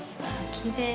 きれい。